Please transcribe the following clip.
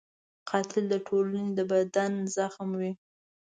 قاتل د ټولنې د بدن زخم وي